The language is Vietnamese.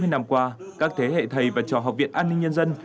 chín mươi năm qua các thế hệ thầy và trò học viện an ninh nhân dân